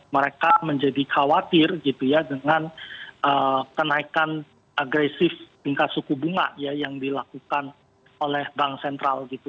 mereka menjadi khawatir gitu ya dengan kenaikan agresif tingkat suku bunga yang dilakukan oleh bank sentral gitu